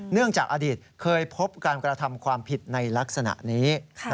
เนื่องจากอดีตเคยพบการกระทำความผิดในลักษณะนี้